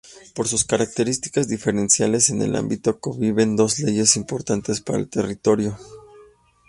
Por sus características diferenciales, en el ámbito conviven dos leyes importantes para el territorio.